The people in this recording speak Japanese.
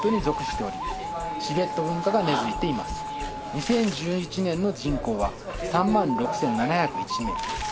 ２０１１年の人口は３万６７０１名。